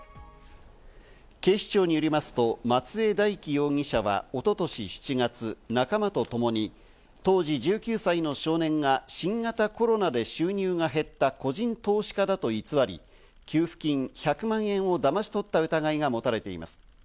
警視庁によりますと、松江大樹容疑者は一昨年７月、仲間とともに当時１９歳の少年が新型コロナで収入が減った個人投資家だと偽り、給付金１００万円をだまし取った疑いが持たれています。